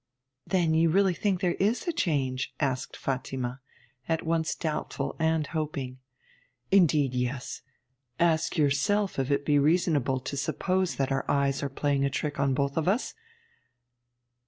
'Then you really think there is a change?' asked Fatima, at once doubtful and hoping. 'Indeed, yes. Ask yourself if it be reasonable to suppose that our eyes are playing a trick on both of us?